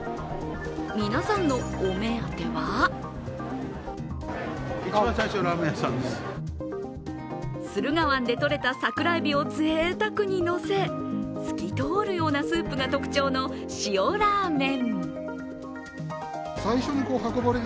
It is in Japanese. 皆さんのお目当ては駿河湾でとれた桜えびをぜいたくにのせ透き通るようなスープが特徴の塩ラーメン。